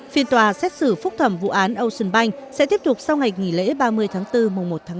phiên tòa xét xử phúc thẩm vụ án ocean bank sẽ tiếp tục sau ngày nghỉ lễ ba mươi tháng bốn mùa một tháng năm